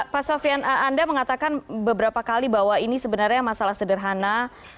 pak sofian anda mengatakan beberapa kali bahwa ini sebenarnya masalah sederhana